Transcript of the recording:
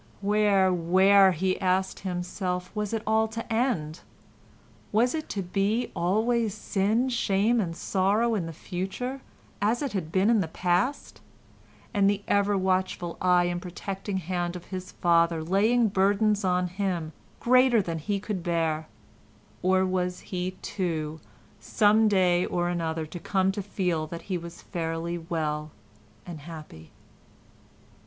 Where, where, he asked himself, was it all to end? Was it to be always sin, shame and sorrow in the future, as it had been in the past, and the ever watchful eye and protecting hand of his father laying burdens on him greater than he could bear—or was he, too, some day or another to come to feel that he was fairly well and happy?